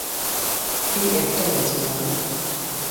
এই একটাই আছে, জান!